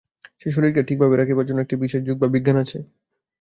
সে-শরীরকে ঠিকভাবে রাখিবার জন্য একটি বিশেষ যোগ বা বিজ্ঞান আছে।